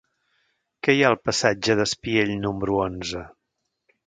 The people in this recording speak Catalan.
Què hi ha al passatge d'Espiell número onze?